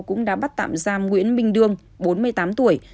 cũng đã bắt tạm giam nguyễn minh đương bốn mươi tám tuổi